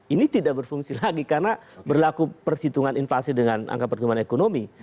ini tidak berfungsi lagi karena berlaku perhitungan invasi dengan angka pertumbuhan ekonomi